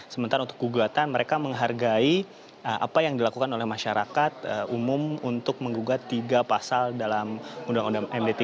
sementara untuk gugatan mereka menghargai apa yang dilakukan oleh masyarakat umum untuk menggugat tiga pasal dalam undang undang md tiga